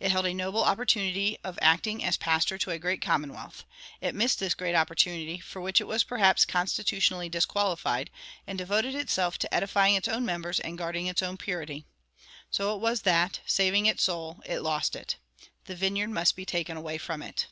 It held a noble opportunity of acting as pastor to a great commonwealth. It missed this great opportunity, for which it was perhaps constitutionally disqualified, and devoted itself to edifying its own members and guarding its own purity. So it was that, saving its soul, it lost it. The vineyard must be taken away from it.